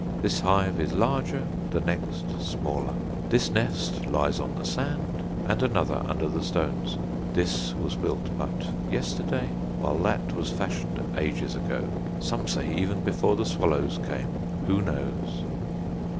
This hive is larger, the next smaller. This nest lies on the sand, and another under the stones. This was built but yesterday, while that was fashioned ages ago, some say even before the swallows came; who knows?